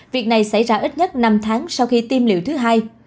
việc này xảy ra ít nhất năm tháng sau khi tiêm liệu thứ hai